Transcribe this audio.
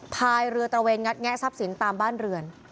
พายเรือตระเวนงัดแงะทรัพย์สินตามบ้านเรือน